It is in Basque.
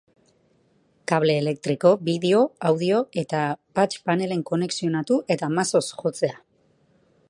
Kable elektriko, bideo, audio eta patch panelen konexionatu eta mazoz jotzea.